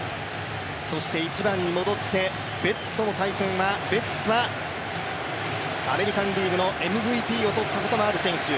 そして、１番に戻ってベッツとの対戦、ベッツはアメリカン・リーグのＭＶＰを取ったこともある選手。